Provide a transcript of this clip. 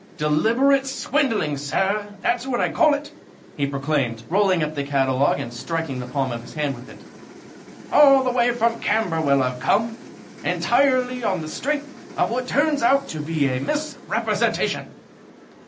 "Deliberate swindling, sir that's what I call it," he proclaimed, rolling up the catalogue and striking the palm of his hand with it. "All the way from Camberwell I've come, entirely on the strength of what turns out to be a misrepresentation.